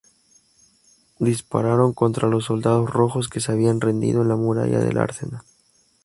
Dispararon contra los soldados rojos que se habían rendido en la muralla del Arsenal.